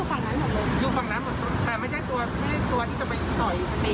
เป็นผู้ขัดแย้งตัวตรงไหมคะเขาอยู่ฝั่งนั้นหมดเลย